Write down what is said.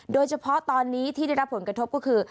โดยเฉพาะตอนนี้ที่ได้รับผลกระทบก็คือ